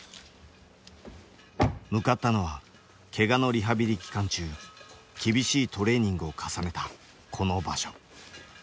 向かったのはけがのリハビリ期間中厳しいトレーニングを重ねたこの場所。